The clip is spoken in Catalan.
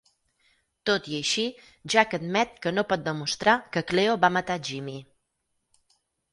Tot i així, Jack admet que no pot demostrar que Cleo va matar Jimmy.